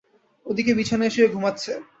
ওদিকে, বিছানায় শুয়ে ঘুমাচ্ছে।